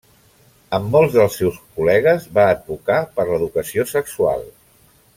Amb molts dels seus col·legues, va advocar per l'educació sexual.